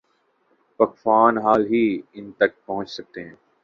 واقفان حال ہی ان تک پہنچ سکتے ہیں۔